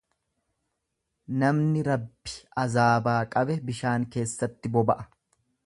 Namni Rabbi azaabaa qabe bishaan keessatti boba'a.